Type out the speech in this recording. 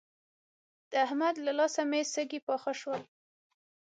د احمد له لاسه مې سږي پاخه شول.